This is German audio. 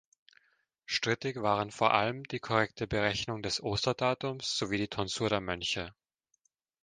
Strittig waren vor allem die korrekte Berechnung des Osterdatums sowie die Tonsur der Mönche.